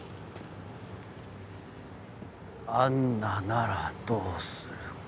アンナならどうするか。